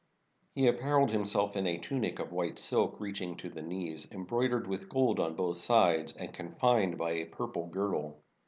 He appareled himself in a tunic of white silk, reaching to the knees, embroidered with gold on both sides, and confined by a purple girdle.